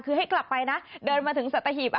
คือให้กลับไปนะเดินมาถึงสัตหีบ